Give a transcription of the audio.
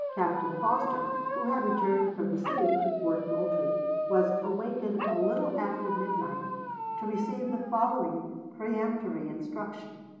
Captain Foster, who had returned from the city to Fort Moultrie, was awakened a little after midnight to receive the following peremptory instruction: W.